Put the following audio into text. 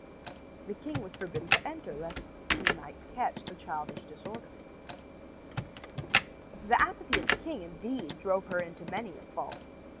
The king was forbidden to enter lest he might catch the childish disorder. The apathy of the king, indeed, drove her into many a folly.